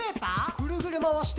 ぐるぐるまわして。